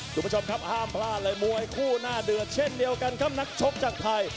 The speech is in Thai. สุดส้อมครับสามปลาไล่มวยคู่หน้าดื่มเช่นเดียวกันครับนักโชคจากไทย